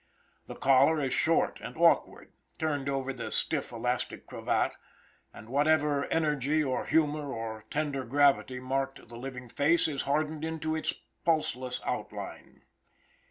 The collar is short and awkward, turned over the stiff elastic cravat, and whatever energy or humor or tender gravity marked the living face is hardened into its pulseless outline.